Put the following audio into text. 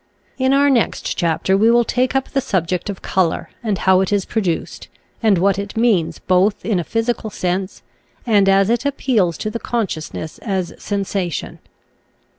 In our next chapter we will take up the subject of color and how it is produced, and what it means both in a physical sense and as it appeals to the consciousness as sensation.